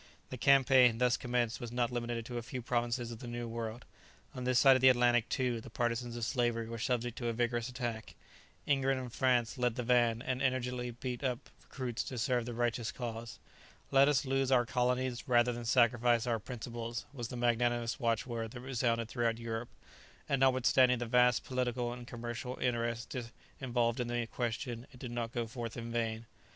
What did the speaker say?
The campaign, thus commenced, was not limited to a few provinces of the New World; on this side of the Atlantic, too, the partisans of slavery were subject to a vigourous attack. England and France led the van, and energetically beat up recruits to serve the righteous cause. "Let us lose our colonies rather than sacrifice our principles," was the magnanimous watchword that resounded throughout Europe, and notwithstanding the vast political and commercial interests involved in the question, it did not go forth in vain.